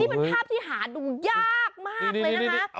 เป็นภาพที่หาดูยากมากเลยนะคะ